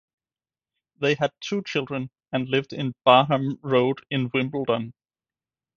They had two children and lived in Barham Road in Wimbledon.